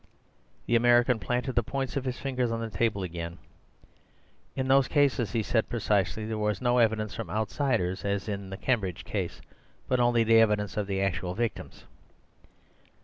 The American planted the points of his fingers on the table again. "In those cases," he said precisely, "there was no evidence from outsiders, as in the Cambridge case, but only the evidence of the actual victims."